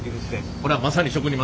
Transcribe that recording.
これはまさに職人技。